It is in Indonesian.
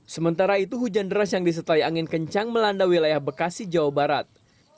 sementara itu hujan deras yang disertai angin kencang melanda wilayah bekasi jawa barat